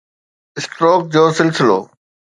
stroke جو سلسلو